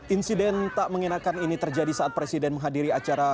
insiden tak mengenakan ini terjadi saat presiden menghadiri acara